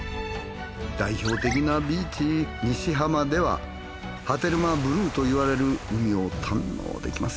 代表的なビーチニシ浜では波照間ブルーと言われる海を堪能できます。